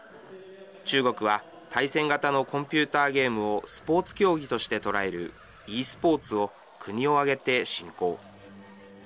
中国は対戦型のコンピューターゲームをスポーツ競技として捉えるｅスポーツを国を挙げて振興。